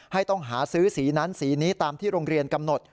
ต้องหาซื้อสีนั้นสีนี้ตามที่โรงเรียนกำหนด